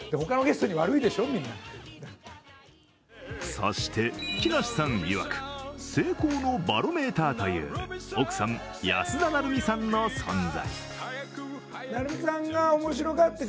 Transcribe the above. そして、木梨さんいわく成功のバロメーターという奥さん、安田成美さんの存在。